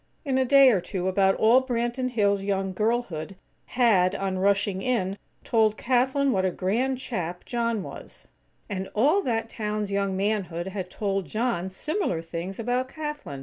In a day or two about all Branton Hills' young girlhood had, on rushing in, told Kathlyn what a grand chap John was; and all that town's young manhood had told John similar things about Kathlyn.